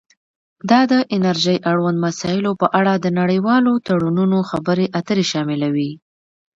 دا د انرژۍ اړوند مسایلو په اړه د نړیوالو تړونونو خبرې اترې شاملوي